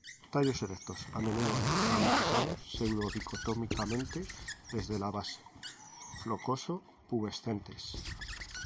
Tallos erectos, a menudo ramificados pseudo-dicotómicamente desde la base, flocoso-pubescentes.